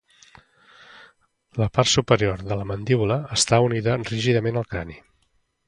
La part superior de la mandíbula està unida rígidament al crani.